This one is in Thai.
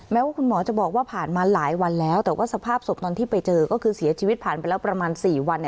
ว่าคุณหมอจะบอกว่าผ่านมาหลายวันแล้วแต่ว่าสภาพศพตอนที่ไปเจอก็คือเสียชีวิตผ่านไปแล้วประมาณ๔วัน